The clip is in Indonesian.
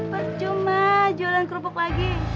percuma jualan kerupuk lagi